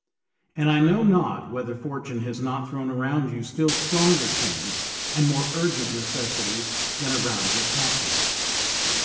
And I know not whether fortune has not thrown around you still stronger chains and more urgent necessities than around your captives.